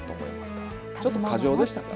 ちょっと過剰でしたから。